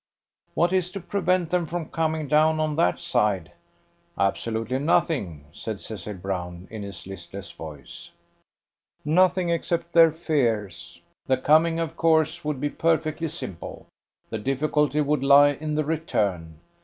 "What is to prevent them from coming down on that side?" "Absolutely nothing," said Cecil Brown, in his listless voice. "Nothing, except their fears. The coming of course would be perfectly simple. The difficulty would lie in the return.